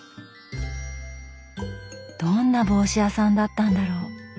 どんな帽子屋さんだったんだろう。